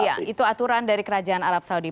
iya itu aturan dari kerajaan arab saudi